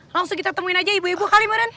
langsung kita temuin aja ibu ibu kalimaran